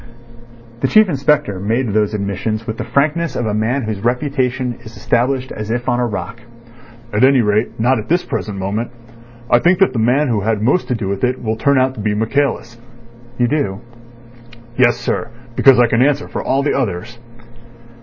The Chief Inspector made those admissions with the frankness of a man whose reputation is established as if on a rock. "At any rate not at this present moment. I think that the man who had most to do with it will turn out to be Michaelis." "You do?" "Yes, sir; because I can answer for all the others."